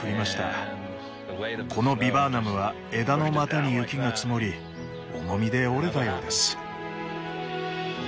このビバーナムは枝の股に雪が積もり重みで折れたようです。